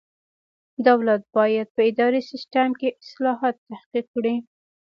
دولت باید په اداري سیسټم کې اصلاحات تحقق کړي.